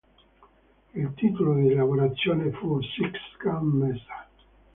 Il titolo di lavorazione fu "Six Gun Mesa".